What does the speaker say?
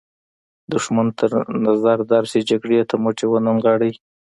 دښمن تر نظر درشي جګړې ته مټې ونه نغاړئ.